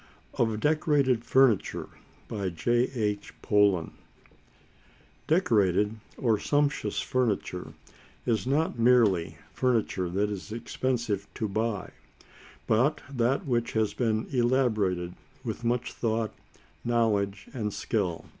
OF DECORATED FURNITURE Decorated or "sumptuous" furniture is not merely furniture that is expensive to buy, but that which has been elaborated with much thought, knowledge, and skill.